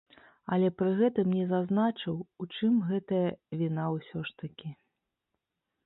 Але пры гэтым не зазначыў, у чым гэтая віна ўсё ж такі.